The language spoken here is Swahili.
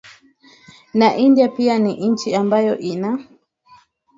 na india pia ni nchi ambayo ina